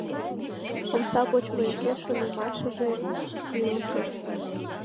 Омса почмо йӱкеш шонымашыже кӱрылтӧ.